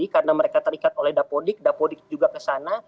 karena mereka terikat oleh dapodik dapodik juga ke sana